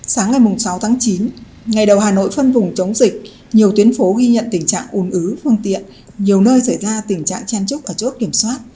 sáng ngày sáu tháng chín ngày đầu hà nội phân vùng chống dịch nhiều tuyến phố ghi nhận tình trạng ùn ứ phương tiện nhiều nơi xảy ra tình trạng chen trúc ở chốt kiểm soát